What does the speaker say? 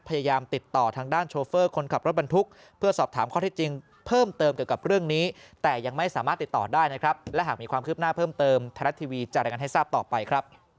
พยายามติดต่อทางด้านโชเฟอร์คนขับรถบรรทุก